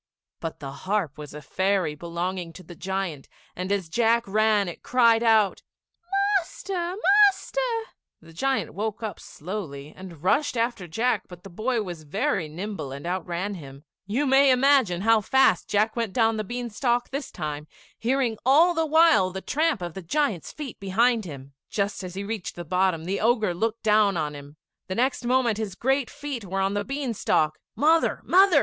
But the harp was a fairy belonging to the giant, and as Jack ran, it cried out, "Master! Master!" The giant woke up slowly and rushed after Jack, but the boy was very nimble and outran him. You may imagine how fast Jack went down the bean stalk this time, hearing all the while the tramp of the giant's feet behind him. [Illustration: THE GIANT BREAKS HIS NECK.] Just as he reached the bottom he saw the Ogre looking down on him. The next moment his great feet were on the bean stalk. "Mother, mother!